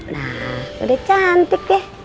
nah udah cantik deh